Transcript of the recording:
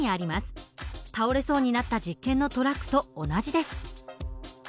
倒れそうになった実験のトラックと同じです。